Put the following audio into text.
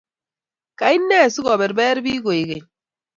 Kaine si go berberen biik koikeny?